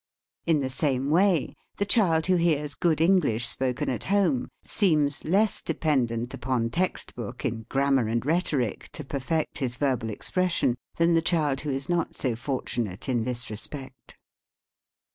In the same way, the child who hears good English spoken at home seems less de pendent upon text book in grammar and rhetoric, to perfect his verbal expression, than the child who is not so fortunate in this respect.